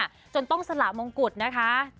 จนต้องสละมงกุฎนะคะ